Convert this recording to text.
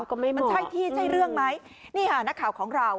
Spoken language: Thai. ก็ไม่รู้มันใช่ที่ใช่เรื่องไหมนี่ค่ะนักข่าวของเรา